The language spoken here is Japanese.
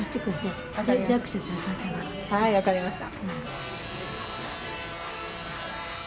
はい分かりました。